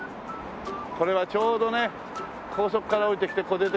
これはちょうどね高速から降りてきてここに出てくるんですよ。